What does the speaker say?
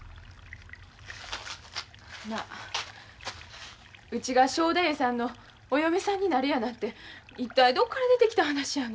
なあうちが正太夫さんのお嫁さんになるやなんて一体どこから出てきた話やの？